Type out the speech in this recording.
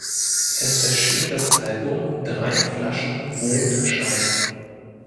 Es erschien das Album "Drei Flaschen Mondschein".